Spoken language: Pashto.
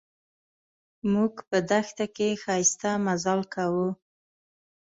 موږ په دښته کې ښایسته مزل کاوه.